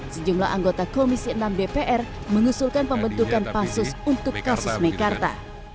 sejumlah anggota komisi enam dpr mengusulkan pembentukan pansus untuk kasus mekarta